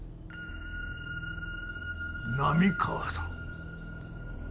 波川さん？